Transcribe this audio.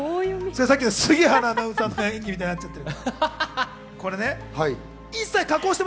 さっきの杉原アナウンサーの演技みたいになっちゃってる。